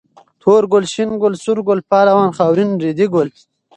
تور ګل، شين ګل، سور ګل، پهلوان، خاورين، ريدي ګل